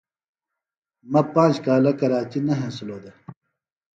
مہ پانج کالہ کراچیۡ نہ ہینسِلوۡ دےۡ۔